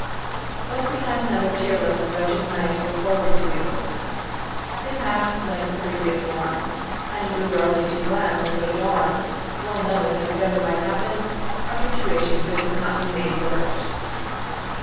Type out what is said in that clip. Thus we had another cheerless and wretched night to look forward to. It passed like the previous one, and we were only too glad when day dawned, well knowing that whatever might happen, our situation could not be made worse.